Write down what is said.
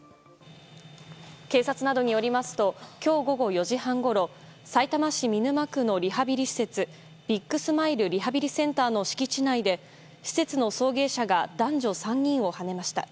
警察などによりますと今日午後４時半ごろさいたま市見沼区のリハビリ施設ビッグスマイルリハビリセンターの敷地内で、施設の送迎車が男女３人をはねました。